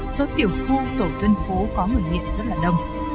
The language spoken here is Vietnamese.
số tiểu khu tổ dân phố có người nghiện rất là đông